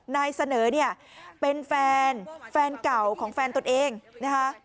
นายเสนอเนี่ยเป็นแฟนแฟนเก่าของแฟนตนเองนะคะ